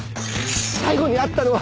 最後に会ったのは？